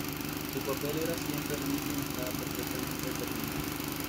Su papel era siempre el mismo y estaba perfectamente determinado.